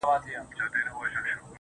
زه بې له تا گراني ژوند څنگه تېر كړم.